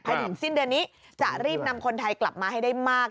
ถึงสิ้นเดือนนี้จะรีบนำคนไทยกลับมาให้ได้มาก